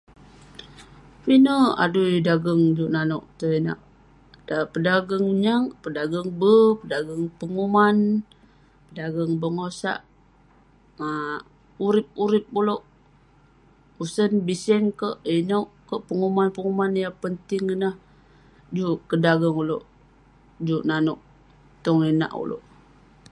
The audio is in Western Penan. Pinek adui dageng juk nanouk tong inak..tai pedageng nyak, pedageng be',pedageng penguman, pedageng berk mosak, um urip urip ulouk, usen biseng kerk, inouk kerk, penguman penguman yah penting ineh..juk kedageng ulouk..juk nanouk tong inak ulouk..